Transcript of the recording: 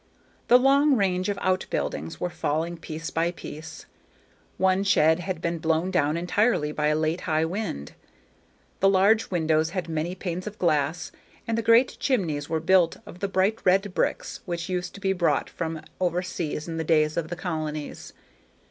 The long range of out buildings were falling piece by piece; one shed had been blown down entirely by a late high wind. The large windows had many panes of glass, and the great chimneys were built of the bright red bricks which used to be brought from over seas in the days of the colonies.